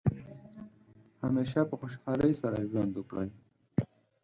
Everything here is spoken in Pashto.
همیشه په خوشحالۍ سره ژوند وکړئ.